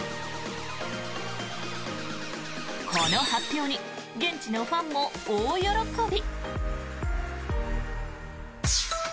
この発表に現地のファンも大喜び。